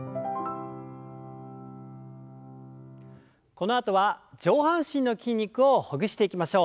このあとは上半身の筋肉をほぐしていきましょう。